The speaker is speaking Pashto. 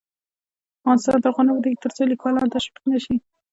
افغانستان تر هغو نه ابادیږي، ترڅو لیکوالان تشویق نشي.